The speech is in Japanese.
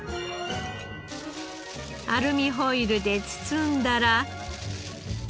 アルミホイルで包んだら。